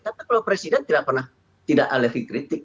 tapi kalau presiden tidak pernah tidak alergi kritik